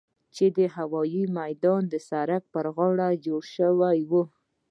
چې د هوايي ميدان د سړک پر غاړه جوړ سوي وو.